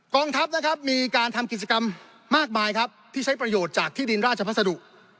ทัพนะครับมีการทำกิจกรรมมากมายครับที่ใช้ประโยชน์จากที่ดินราชพัสดุ